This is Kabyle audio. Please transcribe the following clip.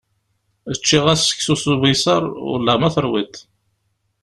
Ččiɣ-as seksu s ubisaṛ, Wellah ma teṛwiḍ-t.